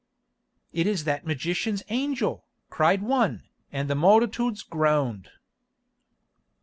"It is that magician's angel," cried one, and the multitudes groaned.